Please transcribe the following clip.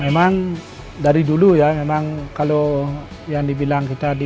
memang dari dulu ya memang kalau yang dibilang kita di